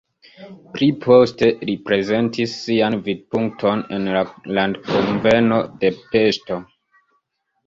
Pli poste li prezentis sian vidpunkton en la landkunveno de Peŝto.